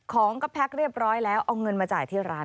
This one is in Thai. ของก็แพ็คเรียบร้อยแล้วเอาเงินมาจ่ายที่ร้าน